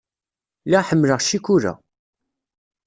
Lliɣ ḥemmleɣ ccikula.